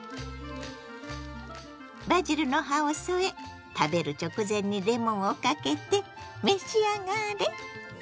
バジルの葉を添え食べる直前にレモンをかけて召し上がれ！